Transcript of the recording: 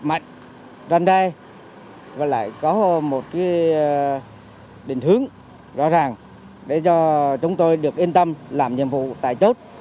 mạnh răn đe và lại có một định hướng rõ ràng để cho chúng tôi được yên tâm làm nhiệm vụ tại chốt